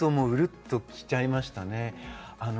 うるっときちゃいましたね。